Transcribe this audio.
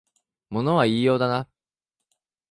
物は言いようだな